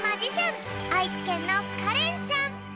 あいちけんのかれんちゃん！